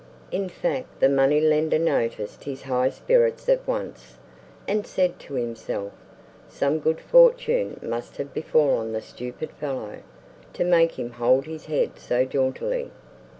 In fact the money lender noticed his high spirits at once, and said to himself, "Some good fortune must have befallen the stupid fellow, to make him hold his head so jauntily."